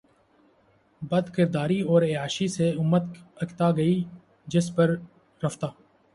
بدکرداری اور عیاشی سے امت اکتا گئ جس پر رفتہ